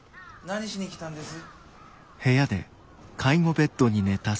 何しに来たんです？